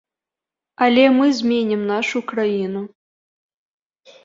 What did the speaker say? Але мы зменім нашу краіну.